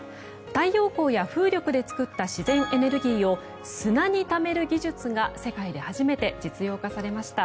太陽光や風力で作った自然エネルギーを砂にためる技術が世界で初めて実用化されました。